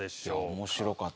面白かった。